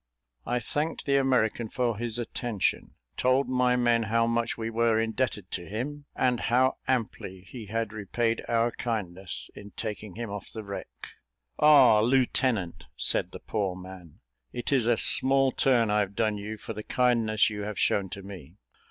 I thanked the American for his attention told my men how much we were indebted to him, and how amply he had repaid our kindness in taking him off the wreck. "Ah, lieutenant," said the poor man, "it is a small turn I've done you for the kindness you have shown to me."